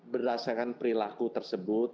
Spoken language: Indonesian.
berdasarkan perilaku tersebut